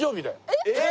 えっ！？